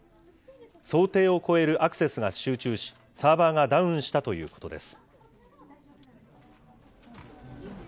想定を超えるアクセスが集中し、サーバーがダウンしたということです。